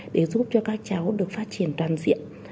để giúp cho các cháu được phát triển toàn diện